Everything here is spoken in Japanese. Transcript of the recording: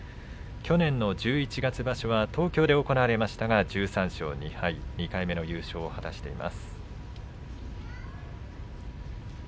去年の十一月場所は東京で行われましたが１３勝２敗２回目の優勝を果たしています。